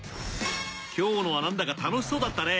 今日のはなんだか楽しそうだったね。